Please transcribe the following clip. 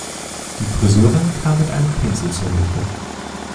Die Friseurin kam mit einem Pinsel zu Hilfe.